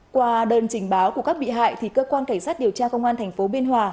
qua đơn trình báo của các bị hại thì cơ quan cảnh sát điều tra công an tp biên hòa